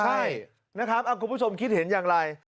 ใช่นะครับคุณผู้ชมคิดเห็นอย่างไร